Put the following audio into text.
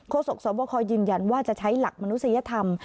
สกสวบคยืนยันว่าจะใช้หลักมนุษยธรรม